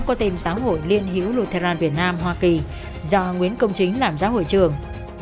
có tên giáo hội liên hiểu lutheran việt nam hoa kỳ do nguyễn công chính làm giáo hội trường